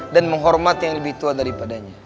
dan menghormati yang lebih tua daripadanya